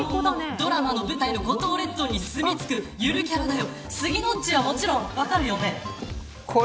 ばらかもんのドラマの舞台の五島列島にすみ着くゆるキャラだよ。